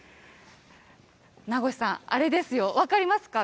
名越さん、あれですよ、分かりますか？